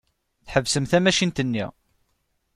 Tḥebsem tamacint-nni.